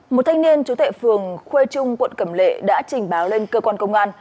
một thanh niên chú tệ phường khuê trung quận cẩm lệ đã trình báo lên cơ quan công an